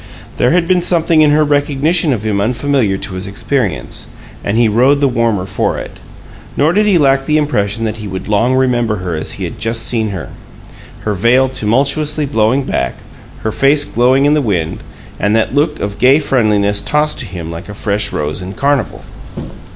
There had been something in her recognition of him unfamiliar to his experience, and he rode the warmer for it. Nor did he lack the impression that he would long remember her as he had just seen her: her veil tumultuously blowing back, her face glowing in the wind and that look of gay friendliness tossed to him like a fresh rose in carnival.